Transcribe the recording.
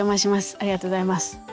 ありがとうございます。